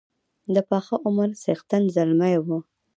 د پاخه عمر څښتن زلمی وو.